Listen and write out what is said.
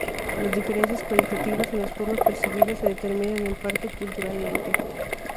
Las diferencias cualitativas, en las formas percibidas, se determinan en parte culturalmente.